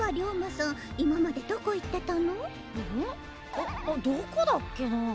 あっどこだっけな？